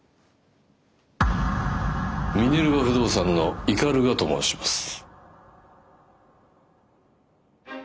ミネルヴァ不動産の鵤と申します。